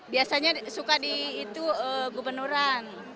biasanya suka di itu gubernuran